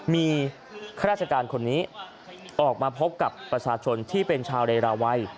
มีข้าราชการคนนี้ออกมาพบกับประชาชนที่เป็นชาวเรราวัย